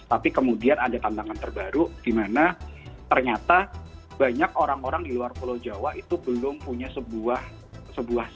tapi kemudian ada tantangan terbaru dimana ternyata banyak orang orang di luar pulau jawa itu belum punya sebuah sense atau sebuah awareness bahwa ada kebutuhan akan